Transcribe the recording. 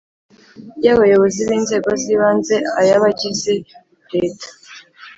y abayobozi b Inzego z ibanze ay abagize leta